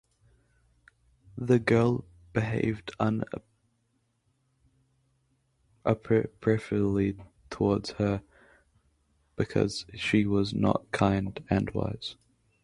The girl behaved unappreciatively towards her because she was not kind and wise.